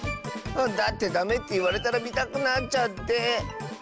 だってダメっていわれたらみたくなっちゃって。ね。